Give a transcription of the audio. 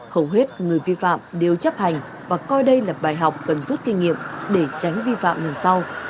hầu hết người vi phạm đều chấp hành và coi đây là bài học cần rút kinh nghiệm để tránh vi phạm lần sau